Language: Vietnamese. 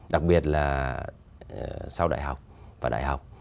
đặc biệt là sau đại học và đại học